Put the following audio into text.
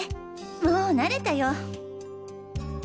もう慣れたよ。